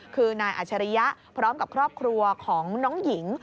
คือนายอัชริยะพร้อมกับครอบครัวของน้องหญิง